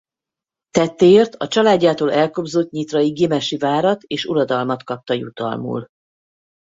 Tettéért a családjától elkobzott nyitrai Gimesi várat és uradalmat kapta jutalmul.